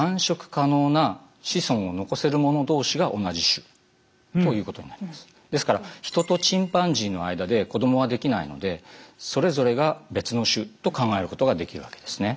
ひと言で種というとですねですからヒトとチンパンジーの間で子どもはできないのでそれぞれが別の種と考えることができるわけですね。